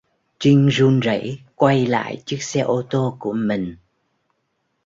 Trinh run rảy quay lại chiếc xe ô tô của mình